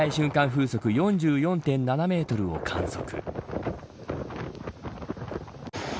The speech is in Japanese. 風速４４．７メートルを観測。